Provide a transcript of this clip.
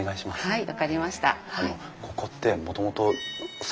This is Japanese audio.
はい。